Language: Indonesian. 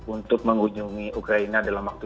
untuk mengunjungi ukraina dalam waktu